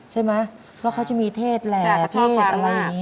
ใช่ไหมเพราะเขาจะมีเทศแหละเทศอะไรอย่างนี้